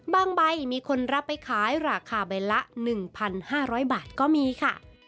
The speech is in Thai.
ใบมีคนรับไปขายราคาใบละ๑๕๐๐บาทก็มีค่ะ